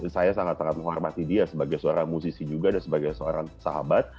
saya sangat sangat menghormati dia sebagai seorang musisi juga dan sebagai seorang sahabat